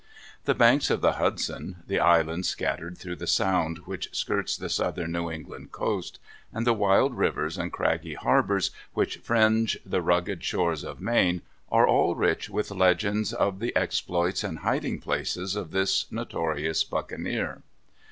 The banks of the Hudson, the islands scattered through the Sound which skirts the southern New England coast, and the wild rivers and craggy harbors which fringe the rugged shores of Maine, are all rich with legends of the exploits and hiding places of this notorious buccaneer.